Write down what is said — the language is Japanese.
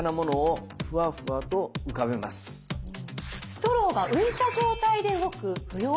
ストローが浮いた状態で動く浮揚